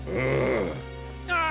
ああ。